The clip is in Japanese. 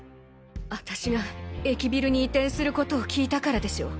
アタシが駅ビルに移転することを聞いたからでしょ。